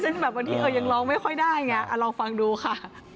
เช่นที่มันยังร้องไม่ค่อยได้ลองฟังดูค่ะ